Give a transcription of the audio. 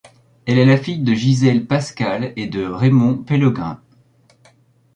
Elle est la fille de Gisèle Pascal et de Raymond Pellegrin.